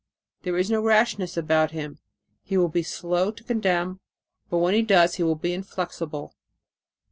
There is no rashness about him; he will be slow to condemn, but when he does he will be inflexible.